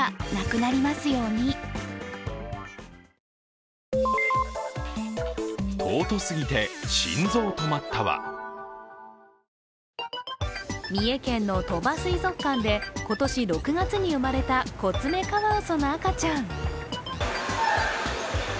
焼き肉店ならではの暑さへの注意喚起に三重県の鳥羽水族館で今年６月に生まれたコツメカワウソの赤ちゃん。